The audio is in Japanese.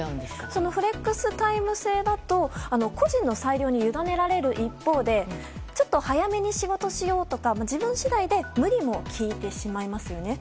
そのフレックスタイム制だと個人の裁量に委ねられる一方でちょっと早めに仕事しようとか自分次第で無理もきいてしまいますよね。